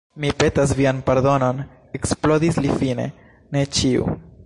Mi petas vian pardonon, eksplodis li fine, ne ĉiu!